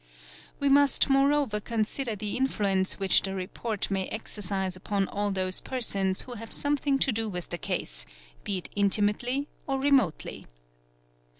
We must moreover consider the influence which the report may exer 2 upon all those persons who have something to do with the case, be intimately or remotely.